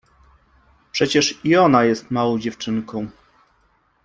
— Przecież i ona jest małą dziewczynką.